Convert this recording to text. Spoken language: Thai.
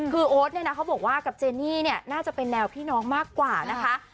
คือโอ๊ตเนี่ยนะเขาบอกว่ากับเจนี่เนี่ยน่าจะเป็นแนวพี่น้องมากกว่านะคะ